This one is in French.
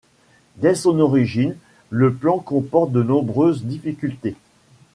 Dès son origine, le plan comportent de nombreuses difficultés.